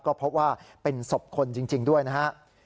ก็พบว่าเป็นศพคนจริงด้วยนะครับ